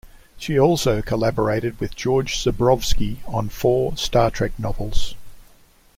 She also collaborated with George Zebrowski on four "Star Trek" novels.